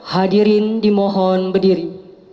hadirin dimohon berdiri